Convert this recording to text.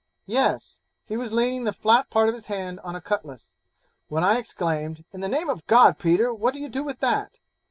'Yes; he was leaning the flat part of his hand on a cutlass, when I exclaimed, In the name of God, Peter, what do you with that?